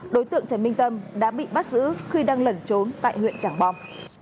đối tượng trần minh tâm đã bị bắt giữ khi đang lẩn trốn tại huyện trảng bom